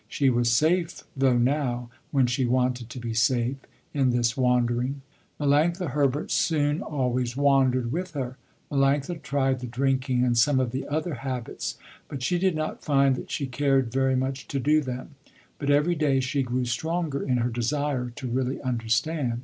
She was safe though now, when she wanted to be safe, in this wandering. Melanctha Herbert soon always wandered with her. Melanctha tried the drinking and some of the other habits, but she did not find that she cared very much to do them. But every day she grew stronger in her desire to really understand.